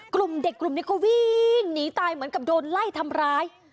กลุ่มเด็กกลุ่มนี้ก็วิ่งหนีตายเหมือนกับโดนไล่ทำร้าย